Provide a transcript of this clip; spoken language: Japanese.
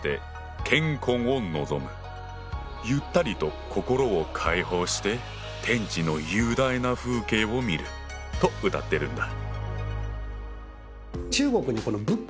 「ゆったりと心を解放して天地の雄大な風景を見る」と歌ってるんだ。